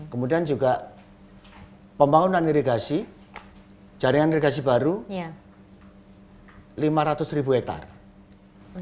kemudian juga pembangunan irigasi jaringan irigasi baru lima ratus ribu hektare